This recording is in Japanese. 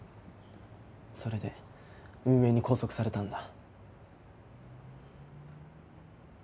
それで運営に拘束されたんだ。